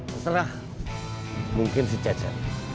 seterah mungkin si cece